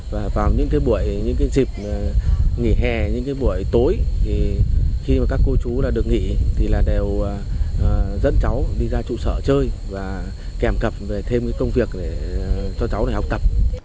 và vào những cái buổi những cái dịp nghỉ hè những cái buổi tối thì khi mà các cô chú là được nghỉ thì là đều dẫn cháu đi ra trụ sở chơi và kèm cập về thêm cái công việc để cho cháu này học tập